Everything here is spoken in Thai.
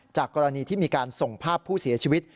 กรณีที่มีการส่งภาพผู้เสียชีวิต